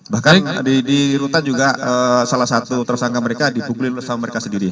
bahkan di rutan juga salah satu tersangka mereka dipukul sama mereka sendiri